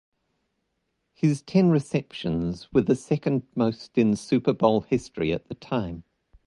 His ten receptions were the second most in Super Bowl history at the time.